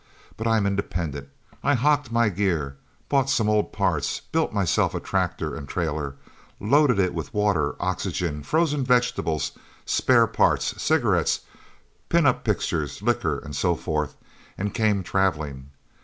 But I'm independent. I hocked my gear, bought some old parts, built myself a tractor and trailer, loaded it with water, oxygen, frozen vegetables, spare parts, cigarettes, pin up pictures, liquor and so forth, and came travelling.